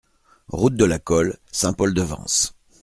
Route de la Colle, Saint-Paul-de-Vence